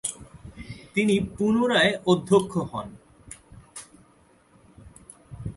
তিনি পুনরায় অধ্যক্ষ হন।